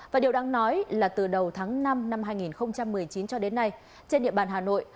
và điều đáng nói là từ đầu tháng năm năm hai nghìn một mươi chín cho đến nay trên địa bàn hà nội